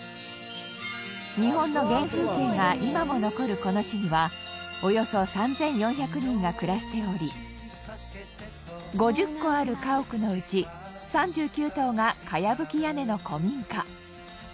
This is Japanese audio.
日本の原風景が今も残るこの地にはおよそ３４００人が暮らしており５０戸ある家屋のうち３９棟が茅葺き屋根の古民家。